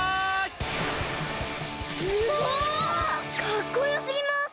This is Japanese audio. かっこよすぎます！